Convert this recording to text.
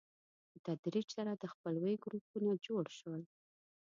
په تدریج سره د خپلوۍ ګروپونه جوړ شول.